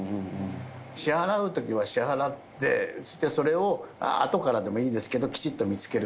支払うときは支払って、それをあとからでもいいですけど、きちっと見つける。